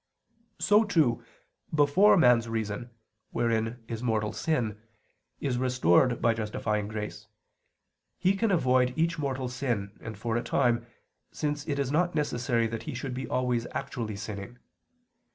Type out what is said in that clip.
So, too, before man's reason, wherein is mortal sin, is restored by justifying grace, he can avoid each mortal sin, and for a time, since it is not necessary that he should be always actually sinning.